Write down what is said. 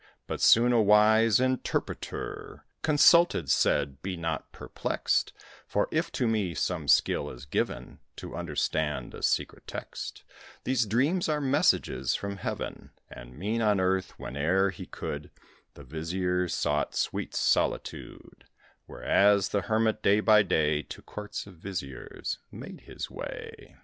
But soon a wise Interpreter, Consulted, said, "Be not perplexed, For if to me some skill is given To understand a secret text, These dreams are messages from heaven, And mean, On earth, whene'er he could, The Vizier sought sweet solitude; Whereas the Hermit, day by day, To courts of viziers made his way."